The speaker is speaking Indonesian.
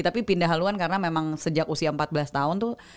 tapi pindah haluan karena memang sejak usia empat belas tahun tuh